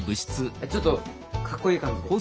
ちょっとかっこいい感じで。